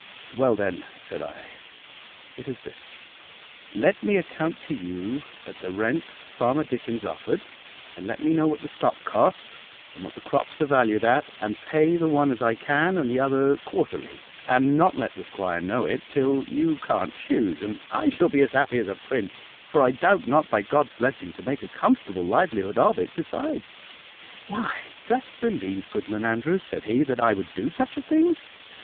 "Well, then," said I, "it is this: let me account to you at the rent Farmer Dickens offered, and let me know what the stock cost, and what the crops are valued at; and pay the one as I can, and the other quarterly; and not let the 'squire know it till you can't choose; and I shall be as happy as a prince; for I doubt not, by God's blessing, to make a comfortable livelihood of it besides." "Why, dost believe, Goodman Andrews," said he, "that I would do such a thing?